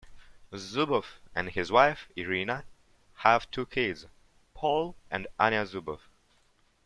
Zubov and his wife, Irina, have two kids, Paul and Anya Zubov.